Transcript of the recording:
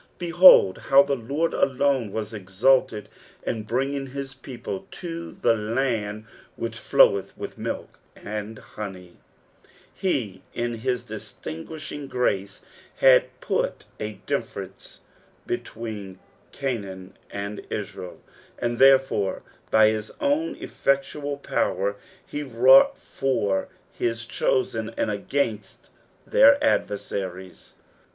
BeboM how the Lord alone was exalted in bringing his pco[)le to the land which floweth with milk and honey 1 He, in his distinguishing grace, had pnt a diflfcrence between Canaan and Israel, and therefore, by bia own effectosi power, he wrought for his chosen and againtt their adversaries.